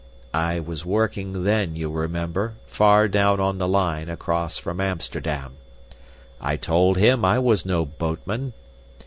I was working then, you'll remember, far down on the line, across from Amsterdam. I told him I was no boatman.